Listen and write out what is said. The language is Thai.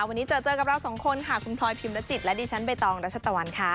วันนี้เจอเจอกับเราสองคนค่ะคุณพลอยพิมรจิตและดิฉันใบตองรัชตะวันค่ะ